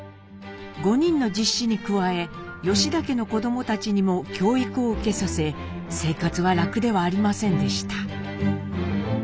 ５人の実子に加え吉田家の子どもたちにも教育を受けさせ生活は楽ではありませんでした。